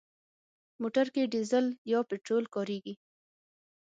موټر کې ډيزل یا پټرول کارېږي.